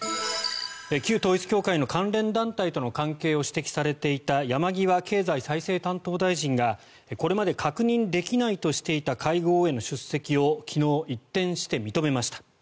旧統一教会の関連団体との関係を指摘されていた山際経済再生担当大臣がこれまで確認できないとしていた会合への出席を昨日、一転して認めました。